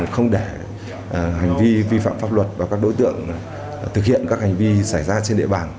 không để hành vi vi phạm pháp luật và các đối tượng thực hiện các hành vi xảy ra trên địa bàn